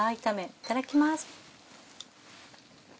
いただきます。